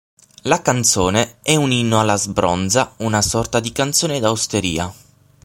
La canzone è un inno alla sbronza, una sorta di canzone da osteria.